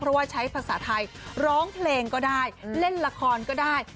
เพราะว่าใช้ภาษาไทยร้องเพลงก็ได้เล่นละครก็ได้